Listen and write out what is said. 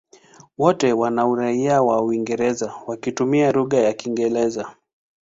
Wote wana uraia wa Uingereza wakitumia lugha ya Kiingereza.